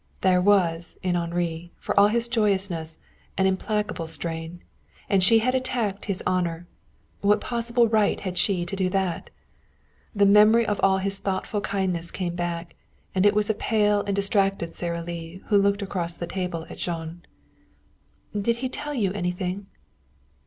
There was, in Henri, for all his joyousness, an implacable strain. And she had attacked his honor. What possible right had she to do that? The memory of all his thoughtful kindness came back, and it was a pale and distracted Sara Lee who looked across the table at Jean. "Did he tell you anything?"